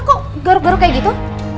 kok garuk garuk kayak gitu